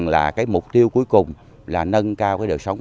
giới thiệu qua cơ sở